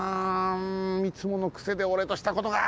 んいつものくせでおれとしたことが！